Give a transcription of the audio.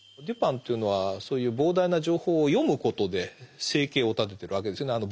デュパンというのはそういう膨大な情報を読むことで生計を立ててるわけですよね。